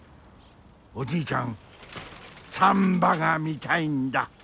おじいちゃんサンバが見たいんだ。